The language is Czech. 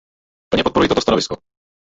Plně podporuji toto stanovisko.